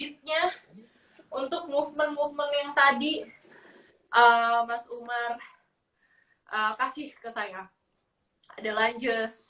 hitnya untuk movement movement yang tadi mas umar kasih ke saya adalah